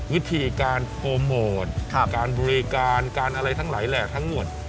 วิธีการโปรโมทการบริการการอะไรทั้งหลายแหล่ทั้งหมด